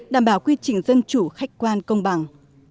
đảm bảo quy trình dân chủ khách quan công bằng